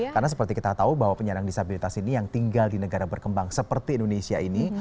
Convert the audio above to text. karena seperti kita tahu bahwa penyandang disabilitas ini yang tinggal di negara berkembang seperti indonesia ini